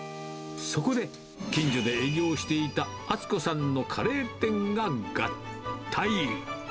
そこで、近所で営業していた厚子さんのカレー店が合体。